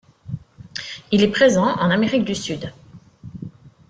Il est présent en Amérique du sud.